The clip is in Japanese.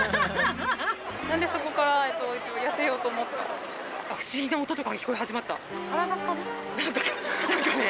何でそこから痩せようと思ったんですか？